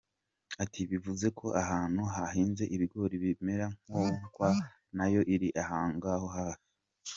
Ati “Bivuze ko ahantu hahinze ibigori bimera nkongwa nayo iri ahongaho hafi.